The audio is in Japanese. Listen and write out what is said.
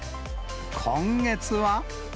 今月は？